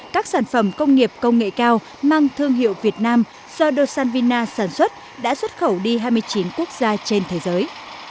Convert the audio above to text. các sản phẩm công nghiệp công nghệ cao mang thương hiệu việt nam do san vina sản xuất đã xuất khẩu đi hai mươi chín quốc gia trên thế giới